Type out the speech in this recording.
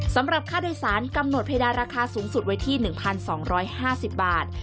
สำหรับค่าโดยสารกำหนดเพดานราคาสูงสุดไว้ที่๑๒๕๐บาท